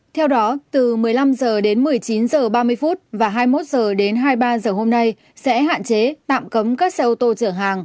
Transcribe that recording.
theo đó từ một mươi năm h đến một mươi chín h ba mươi và hai mươi một h đến hai mươi ba h hôm nay sẽ hạn chế tạm cấm các xe ô tô chở hàng